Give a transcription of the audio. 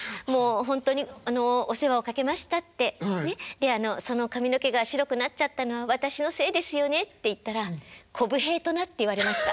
で「その髪の毛が白くなっちゃったのは私のせいですよね」って言ったら「こぶ平とな」って言われました。